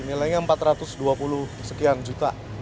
nilainya empat ratus dua puluh sekian juta